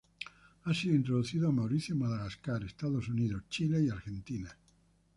Ha sido introducido a Mauricio, Madagascar, Estados Unidos, Chile y Argentina.